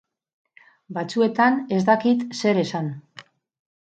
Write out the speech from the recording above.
Batzuetan ez dakit zer esan.